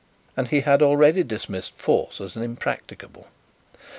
and he had already dismissed force as impracticable.